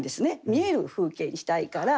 見える風景にしたいから。